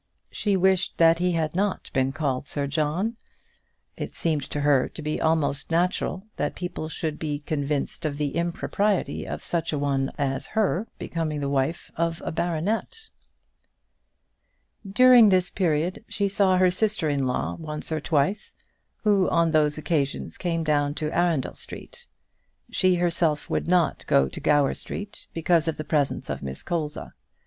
She wished that he had not been called Sir John. It seemed to her to be almost natural that people should be convinced of the impropriety of such a one as her becoming the wife of a baronet. During this period she saw her sister in law once or twice, who on those occasions came down to Arundel Street. She herself would not go to Gower Street, because of the presence of Miss Colza.